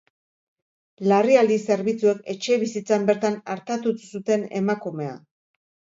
Larrialdi zerbitzuek etxebizitzan bertan artatu zuten emakumea.